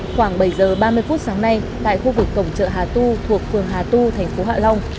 khoảng bảy giờ ba mươi phút sáng nay tại khu vực cổng chợ hà tu thuộc phường hà tu thành phố hạ long